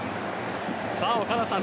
岡田さん